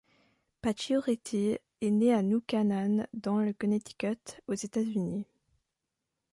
Pacioretty est né à New Canaan dans le Connecticut aux États-Unis.